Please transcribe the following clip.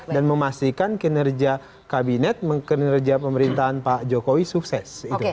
dan memastikan kinerja kabinet kinerja pemerintahan pak jokowi sukses